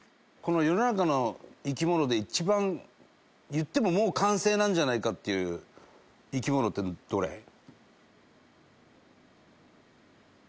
この世の中の生き物で一番言ってももう完成なんじゃないかっていう生き物ってどれ？